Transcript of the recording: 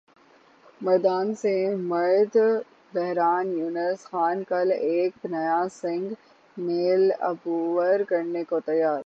مردان کےمرد بحران یونس خان کل ایک نیا سنگ میل عبور کرنے کو تیار